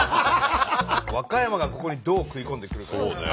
和歌山がここにどう食い込んでくるかですよ。